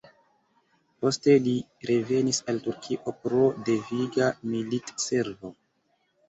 Poste li revenis al Turkio pro deviga militservo.